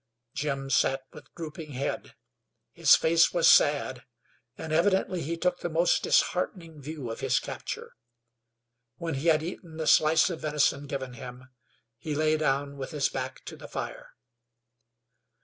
Jim sat with drooping head; his face was sad, and evidently he took the most disheartening view of his capture. When he had eaten the slice of venison given him he lay down with his back to the fire.